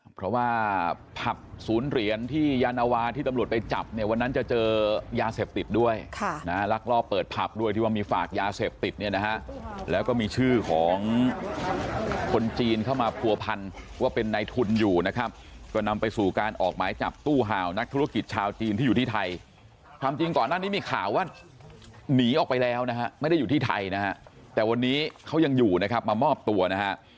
เพราะว่าผับศูนย์เหรียญที่ยานาวาที่ตำรวจไปจับเนี่ยวันนั้นจะเจอยาเสพติดด้วยค่ะนะฮะลักล่อเปิดผับด้วยที่ว่ามีฝากยาเสพติดเนี่ยนะฮะแล้วก็มีชื่อของคนจีนเข้ามาผัวพันว่าเป็นในทุนอยู่นะครับก็นำไปสู่การออกหมายจับตู้หาวนักธุรกิจชาวจีนที่อยู่ที่ไทยคำจริงก่อนหน้านี้มีข่าวว่าหน